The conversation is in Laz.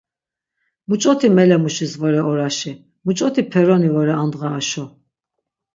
Muç̌oti mele muşis vore oraşi, muç̌oti peroni vore andğa aşo.